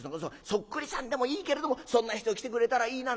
『そっくりさんでもいいけれどもそんな人が来てくれたらいいな』